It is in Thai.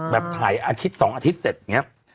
แบบถ่ายอาทิตย์๒อาทิตย์เสร็จอย่างนี้